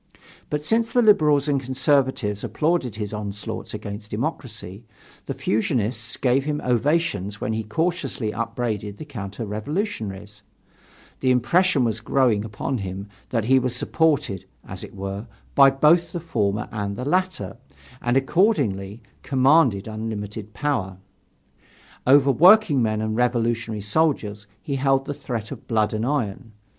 But since the liberals and conservatives applauded his onslaughts against democracy, and the fusionists gave him ovations when he cautiously upbraided the counter revolutionaries, the impression was growing upon him that he was supported, as it were, by both the former and the latter, and, accordingly, commanded unlimited power. Over workingmen and revolutionary soldiers he held the threat of blood and iron.